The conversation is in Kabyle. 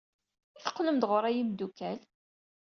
I teqqlem-d ɣer-i a imeddukal?